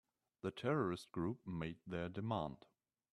The terrorist group made their demand.